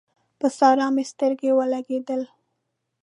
پر سارا مې سترګې ولګېدل